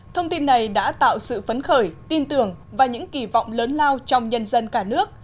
thông tin này đã tạo sự phấn khởi tin tưởng và những kỳ vọng lớn lao trong nhân dân cả nước